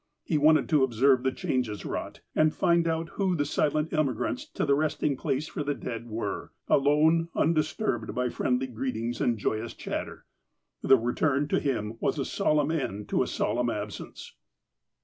He wanted to observe the changes wrought, and find out who the silent immigrants to the resting place for the dead were, alone, undisturbed by friendly greetings and joyous chatter. The return was to him a solemn end to a solemn absence.